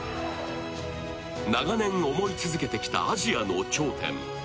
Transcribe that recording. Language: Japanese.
長年思い続けてきたアジアの頂点。